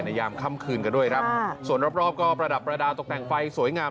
ในยามคั่มคืนกันด้วย